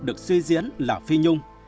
được suy diễn là phi nhung